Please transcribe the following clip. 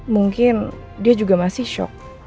mungkin dia juga masih shock